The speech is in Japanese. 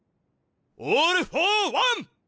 オール・フォー・ワン！